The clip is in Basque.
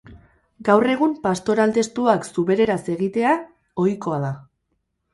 Gaur egun pastoral testuak zubereraz egitea ohikoa da.